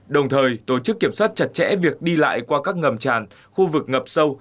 đồng thời tổ chức kiểm soát chặt chẽ việc đi lại qua các ngầm tràn khu vực ngập sâu